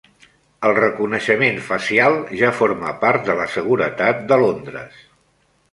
El reconeixement facial ja forma part de la seguretat de Londres